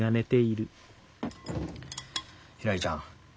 ひらりちゃん